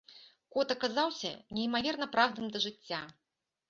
Кот аказаўся неймаверна прагным да жыцця.